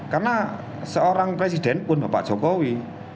karena seorang presiden pun pak jokowi